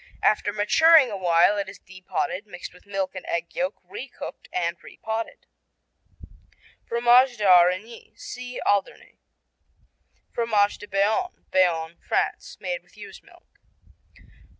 After maturing a while it is de potted, mixed with milk and egg yolk, re cooked and re potted. Fromage d'Aurigny see Alderney. Fromage de Bayonne Bayonne, France Made with ewe's milk.